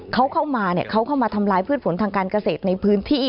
เขาเข้ามาเขาเข้ามาทำลายพืชผลทางการเกษตรในพื้นที่